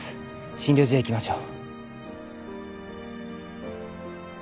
診療所へ行きましょう。